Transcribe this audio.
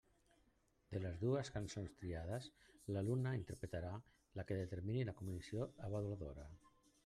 De les dues cançons triades, l'alumne interpretarà la que determini la comissió avaluadora.